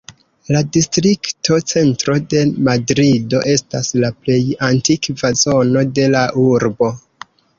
La distrikto Centro de Madrido estas la plej antikva zono de la urbo.